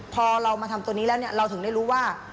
พอเรามาทำตัวนี้แล้วเราถึงได้รู้ว่า